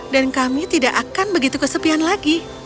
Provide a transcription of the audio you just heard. dan kami tidak akan begitu kesepian lagi